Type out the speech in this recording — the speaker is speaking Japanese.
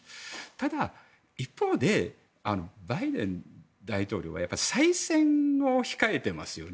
ただ、一方でバイデン大統領は再選を控えていますよね。